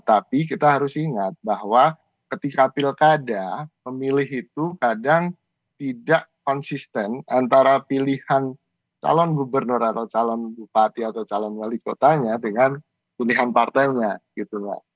tapi kita harus ingat bahwa ketika pilkada pemilih itu kadang tidak konsisten antara pilihan calon gubernur atau calon bupati atau calon wali kotanya dengan pilihan partainya gitu mbak